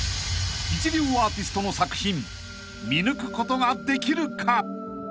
［一流アーティストの作品見抜くことができるか？］